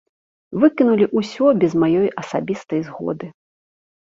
Выкінулі ўсё без маёй асабістай згоды.